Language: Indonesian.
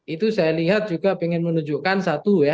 itu saya lihat juga ingin menunjukkan satu ya